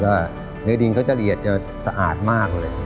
ก็เนื้อดินเขาจะละเอียดจะสะอาดมากเลย